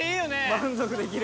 満足できる。